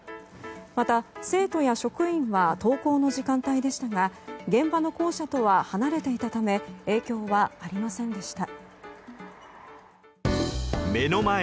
また、生徒や職員は登校の時間帯でしたが現場の校舎とは離れていたため影響はありませんでした。